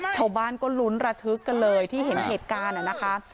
ชาวบ้านก็ลุ้นระทึกกันเลยที่เห็นเหตุการณ์นะคะ